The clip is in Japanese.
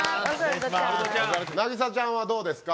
なぎさちゃんはどうですか？